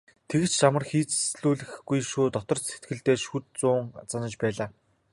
"Тэгж ч амар хийцлүүлэхгүй шүү" дотор сэтгэлдээ шүд зуун занаж байлаа.